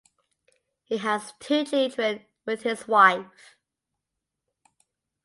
He has two children with his wife.